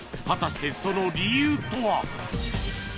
［果たしてその理由とは］